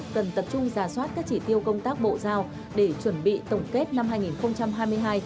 cần tập trung giả soát các chỉ tiêu công tác bộ giao để chuẩn bị tổng kết năm hai nghìn hai mươi hai